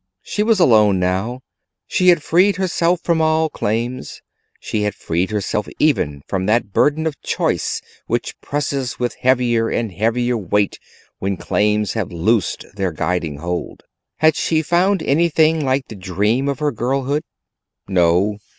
She was alone now: she had freed herself from all claims, she had freed herself even from that burden of choice which presses with heavier and heavier weight when claims have loosed their guiding hold. Had she found anything like the dream of her girlhood? No.